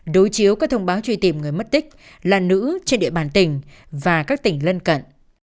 đối chiếu các thông báo truy tìm người mất tích là nữ trên địa bàn tỉnh và các tỉnh lân cận